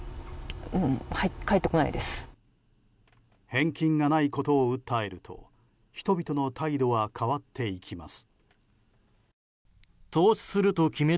返金がないことを訴えると人々の態度は変わっていきます。